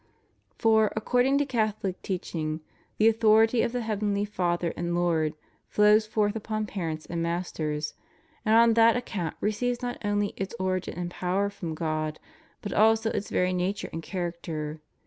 For, according to CathoHc teaching, the authority of the heavenly Father and Lord flows forth upon parents and masters, and on that account receives not only its origin and power from God, but also its very nature and character.